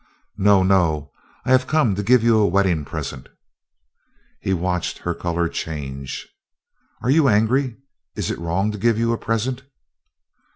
"No, no! I have come to give you a wedding present." He watched her color change. "Are you angry? Is it wrong to give you a present?"